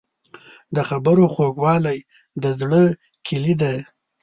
د خبرو خوږوالی د زړه کیلي ده.